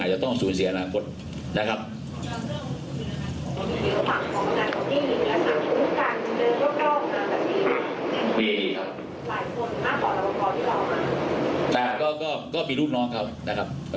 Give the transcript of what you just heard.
ไม่ว่าเสียอินทรีย์ก็มีดูส์น้องเขา